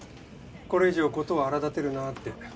これ以上ことを荒立てるなって。